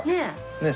ねっ。